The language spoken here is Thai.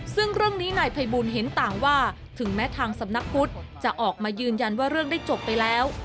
ซึ่งเรื่องนี้นายภัยบูลเห็นต่างว่าถึงแม้ทางสำนักพุทธจะออกมายืนยันว่าเรื่องได้จบไปแล้ว